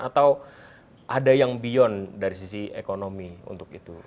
atau ada yang beyond dari sisi ekonomi untuk itu